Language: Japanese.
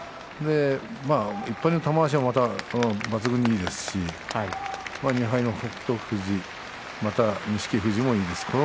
１敗の玉鷲は抜群にいいですし２敗の北勝富士錦富士もいいですよ。